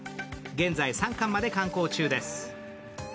現在、３巻まで刊行中です。